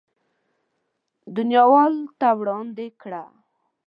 دنياوالو ته وړاندې کړه.